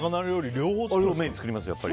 両方メイン作りますよ。